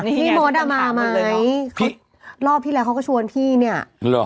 พี่มดอ่ะมาไหมรอบที่แล้วเขาก็ชวนพี่เนี่ยเหรอ